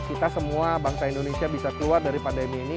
kita semua bangsa indonesia bisa keluar dari pandemi ini